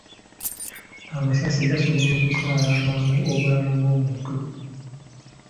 Amasasi gasobola okutwala amangu obulamu bw'omuntu.